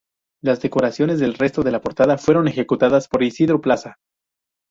Las decoraciones en el resto de la portada fueron ejecutadas por Isidro Plaza.